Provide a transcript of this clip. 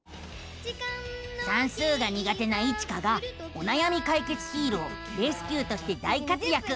算数が苦手なイチカがおなやみかいけつヒーローレスキューとして大活やく！